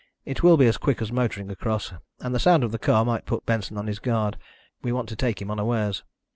"It will be as quick as motoring across, and the sound of the car might put Benson on his guard. We want to take him unawares."